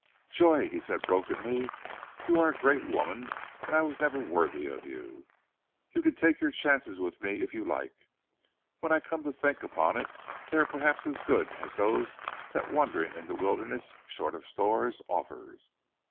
"Joy," he said brokenly, "you are a great woman and I was never worthy of you!... You can take your chances with me if you like. When I come to think upon it they are perhaps as good as those that wandering in the wilderness, short of stores, offers.